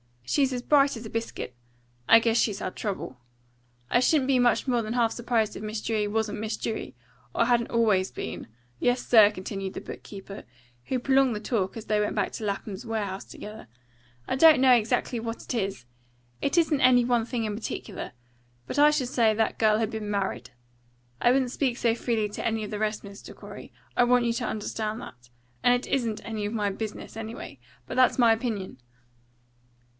She's as bright as a biscuit. I guess she's had trouble. I shouldn't be much more than half surprised if Miss Dewey wasn't Miss Dewey, or hadn't always been. Yes, sir," continued the book keeper, who prolonged the talk as they walked back to Lapham's warehouse together, "I don't know exactly what it is, it isn't any one thing in particular, but I should say that girl had been married. I wouldn't speak so freely to any of the rest, Mr. Corey, I want you to understand that, and it isn't any of my business, anyway; but that's my opinion."